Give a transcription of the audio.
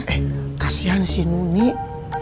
eh kasihan si nunik